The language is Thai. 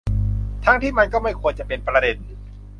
ทั้งที่มันก็ไม่ควรจะเป็นประเด็น